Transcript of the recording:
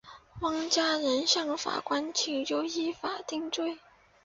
洪家人向法官请求依法定罪。